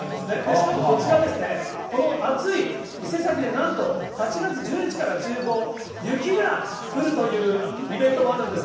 しかもこちらですね、この暑い伊勢崎で、なんと、８月１１から１５、雪が降るというイベントもあるんです。